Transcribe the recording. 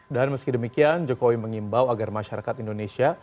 dan meski demikian jokowi mengimbau agar masyarakat indonesia